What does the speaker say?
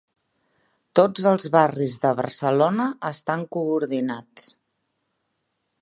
Tots els barris de Barcelona estan coordinats.